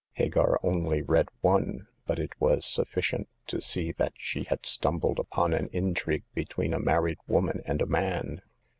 Hagar only read one, but it was sufficient to see that she had stumbled upon an intrigue between a married woman and a man.